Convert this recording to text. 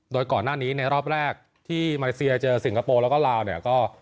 โดยก่อนหน้านี้ในรอบแรกที่มาเลเซียเจอสิงคโปร์แล้วก็ลาวเนี่ยก็